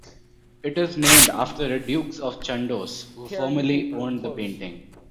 It is named after the Dukes of Chandos, who formerly owned the painting.